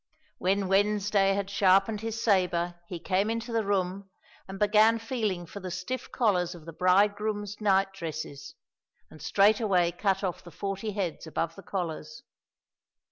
When Wednesday had shar pened his sabre he came into the room and began feeling for the stiff collars of the bridegrooms' night dresses, and straightway cut off the forty heads above the collars.